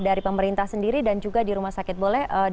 dari pemerintah sendiri dan juga di rumah sakit boleh